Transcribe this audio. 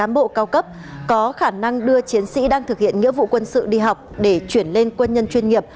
cán bộ cao cấp có khả năng đưa chiến sĩ đang thực hiện nghĩa vụ quân sự đi học để chuyển lên quân nhân chuyên nghiệp